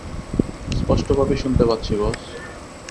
স্পষ্টভাবে শুনতে পাচ্ছি, বস।